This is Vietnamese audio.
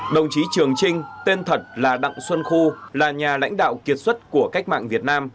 đồng chí trường trinh tên thật là đặng xuân khu là nhà lãnh đạo kiệt xuất của cách mạng việt nam